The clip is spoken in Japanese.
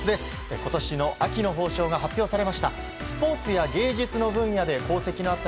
今年の秋の褒章が発表されました。